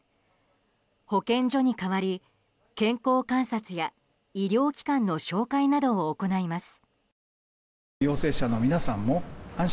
保健所に代わり、健康観察や医療機関の紹介などを行います。